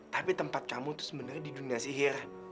tapi tempat kamu itu sebenarnya di dunia sihir